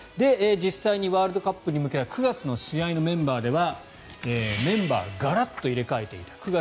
実際にワールドカップに向けた９月の試合のメンバーではメンバーガラッと入れ替えていた。